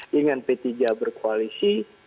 dengan pt ja berkoalisi